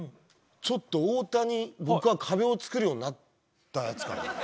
ちょっと太田に僕が壁を作るようになったやつかな？